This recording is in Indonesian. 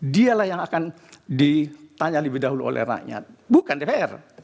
dialah yang akan ditanya lebih dahulu oleh rakyat bukan dpr